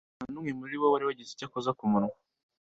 nta n'umwe muri bo wari wagize icyo akoza ku munwa